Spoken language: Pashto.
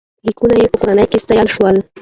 لیکونو یې په کورنۍ کې ستایل شول.